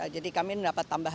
jadi kami mendapat tambahan